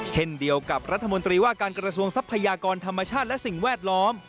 เช่นเดียวกับรัฐมนตรีว่าการกระทรวงทรัพยากรธรรมชาติและสิ่งแวดล้อม